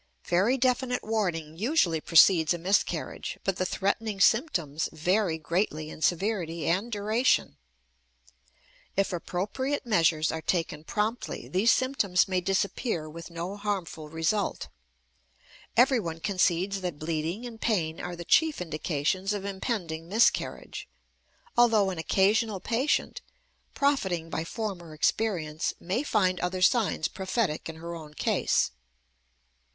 Very definite warning usually precedes a miscarriage, but the threatening symptoms vary greatly in severity and duration. If appropriate measures are taken promptly, these symptoms may disappear with no harmful result Everyone concedes that bleeding and pain are the chief indications of impending miscarriage, although an occasional patient, profiting by former experience, may find other signs prophetic in her own case.